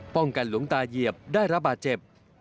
หลวงกันหลวงตาเหยียบได้รับบาดเจ็บ